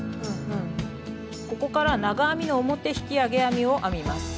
ここから長編みの表引き上げ編みを編みます。